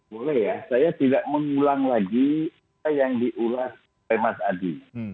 boleh ya saya tidak mengulang lagi yang diulas oleh mas adi